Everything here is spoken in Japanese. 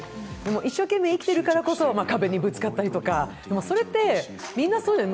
一生懸命生きてるからこそ壁にぶつかったりとか、それってみんなそうだよね。